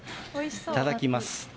いただきます。